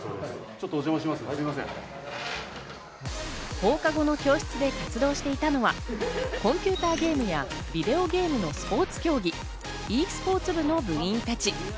放課後の教室で活動していたのはコンピューターゲームやビデオゲームのスポーツ競技・ｅスポーツ部の部員たち。